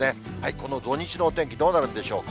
この土日のお天気、どうなるんでしょうか。